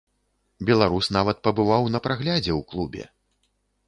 Беларус нават пабываў на праглядзе ў клубе.